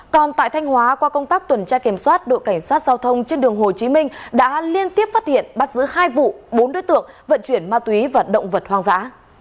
còn tại thanh hóa qua công tác tuần tra kiểm soát đội cảnh sát giao thông trên đường hồ chí minh đã liên tiếp phát hiện bắt giữ hai vụ bốn đối tượng vận chuyển ma túy và động vật hoang dã